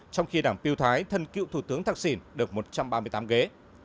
trong khi đảng tiêu thái thân cựu thủ tướng thạc xỉn được một trăm ba mươi tám ghế